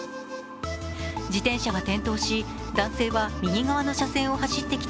自転車は転倒し、男性は右側の車線を走ってきた